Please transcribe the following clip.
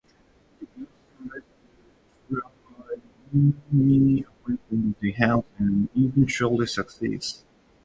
The ghost tries to drive Munni away from the house and eventually succeeds.